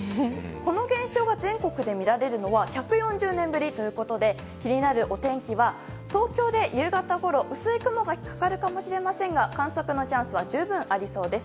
この現象が全国で見られるのは１４０年ぶりということで気になるお天気は東京で夕方ごろ薄い雲がかかるかもしれませんが観測のチャンスは十分ありそうです。